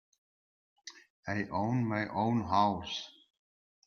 I own my own house.